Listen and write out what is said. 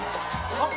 あっ！